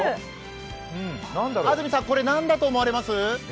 安住さんこれ、何だと思われます？